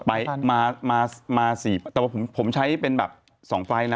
มา๔ประมาณแต่ว่าผมใช้เป็นแบบสองไฟนะ